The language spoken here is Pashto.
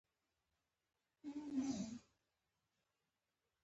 بد اشخاص د قوم استازي نه دي.